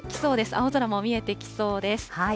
青空も見えてきそうです。